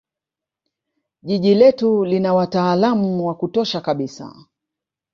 jiji letu lina wataalam wa kutosha kabisa